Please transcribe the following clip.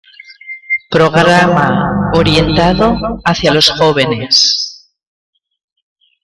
Programa orientado hacia los jóvenes.